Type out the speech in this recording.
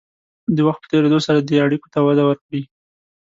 د وخت په تېرېدو سره دې اړیکو ته وده ورکړئ.